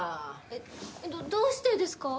えっどうしてですか？